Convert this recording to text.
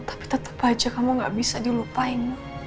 tapi tetap aja kamu gak bisa dilupain